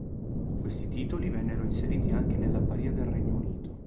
Questi titoli vennero anche inseriti nella Parìa del Regno Unito.